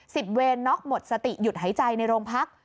เวรน็อกหมดสติหยุดหายใจในโรงพัก